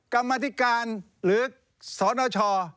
กรรมธิการหรือสนช